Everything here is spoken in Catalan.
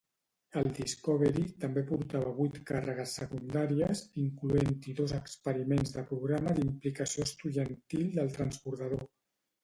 El "Discovery" també portava vuit càrregues secundàries, incloent-hi dos experiments de programa d'implicació estudiantil del transbordador.